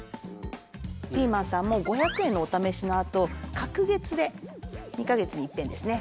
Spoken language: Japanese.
ピーマンさんも５００円のおためしのあと隔月で２か月にいっぺんですね